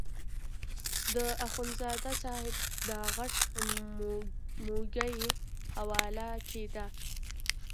د اخندزاده صاحب دا غټ موږی حواله کېده.